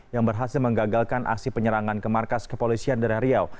yang berhasil menggagalkan aksi penyerangan ke markas kepolisian daerah riau